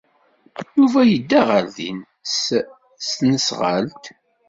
Yuba yedda ɣer din s tesnasɣalt.